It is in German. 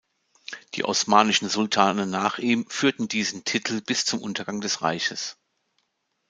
Die Osmanischen Sultane nach ihm führten diesen Titel bis zum Untergang des Reiches.